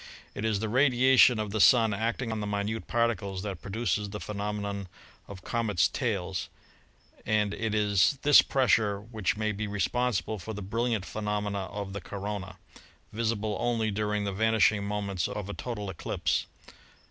It is the radiation of the Sun acting on the minute particles that produces the phenomenon of comets' tails, and it is this pressure which may be responsible for the brilliant phenomena of the corona, visible only during the vanishing moments of a total eclipse.